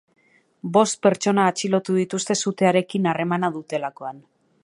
Bost pertsona atxilotu dituzte sutearekin harremana dutelakoan.